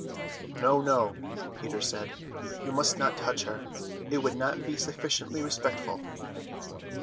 "No, no," Peter said, "you must not touch her. It would not be sufficiently respectful."